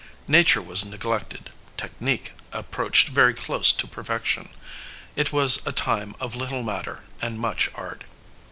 Nature was neglected ; tech nique approached very close to perfection. It was a time of little matter and much art.